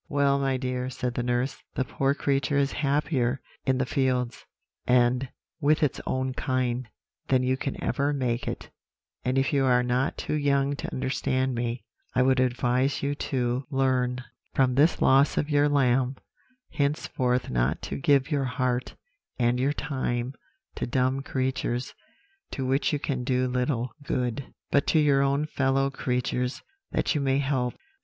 "'Well, my dear,' said the nurse, 'the poor creature is happier in the fields, and with its own kind, than you can make it; and if you are not too young to understand me, I would advise you to learn, from this loss of your lamb, henceforth not to give your heart and your time to dumb creatures, to which you can do little good, but to your own fellow creatures, that you may help.